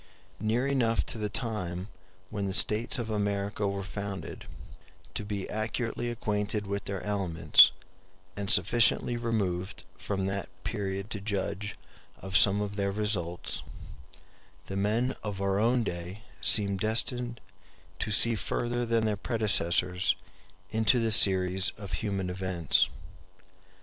Near enough to the time when the states of America were founded, to be accurately acquainted with their elements, and sufficiently removed from that period to judge of some of their results, the men of our own day seem destined to see further than their predecessors into the series of human events.